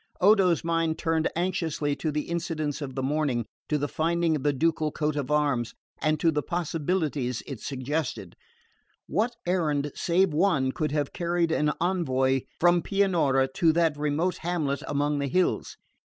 Odo's mind turned anxiously to the incidents of the morning, to the finding of the ducal coat of arms, and to all the possibilities it suggested. What errand save one could have carried an envoy from Pianura to that remote hamlet among the hills?